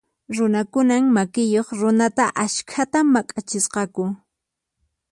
Runakunan makiyuq runata askhata maq'achisqaku.